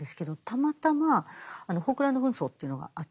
たまたまあのフォークランド紛争というのがあった。